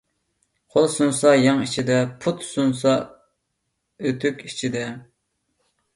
قول سۇنسا يەڭ ئىچىدە، پۇت سۇنسا ئۆتۇك ئىچىدە.